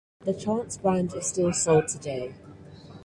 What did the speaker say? The Chance brand is still sold today.